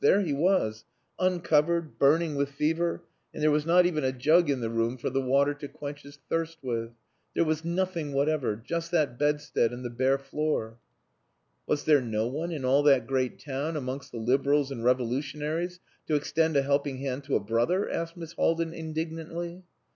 There he was, uncovered, burning with fever, and there was not even a jug in the room for the water to quench his thirst with. There was nothing whatever just that bedstead and the bare floor." "Was there no one in all that great town amongst the liberals and revolutionaries, to extend a helping hand to a brother?" asked Miss Haldin indignantly.